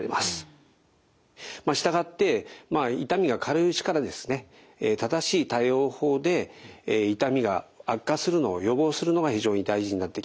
従って痛みが軽いうちからですね正しい対応法で痛みが悪化するのを予防するのが非常に大事になってきます。